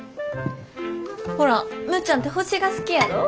ほらむっちゃんて星が好きやろ？